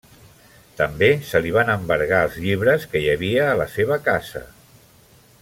També se li van embargar els llibres que hi havia a la seva casa.